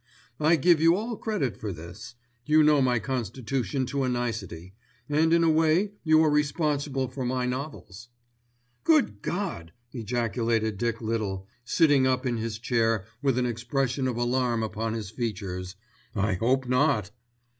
I give you all credit for this. You know my constitution to a nicety, and in a way you are responsible for my novels." "Good God!" ejaculated Dick Little, sitting up in his chair with an expression of alarm upon his features. "I hope not."